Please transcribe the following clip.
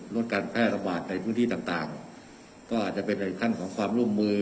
ลดการแพร่ระบาดในพื้นที่ต่างต่างก็อาจจะเป็นในขั้นของความร่วมมือ